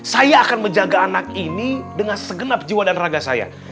saya akan menjaga anak ini dengan segenap jiwa dan raga saya